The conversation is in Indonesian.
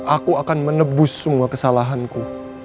aku akan menebus semua kesalahanku